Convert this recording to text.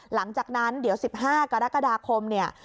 หลังจากนั้นเดี๋ยว๑๕กรกฎาคมเนี่ย